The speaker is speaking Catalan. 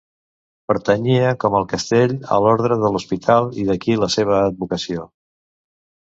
Pertanyia, com el castell, a l'Orde de l'Hospital i d'aquí la seva advocació.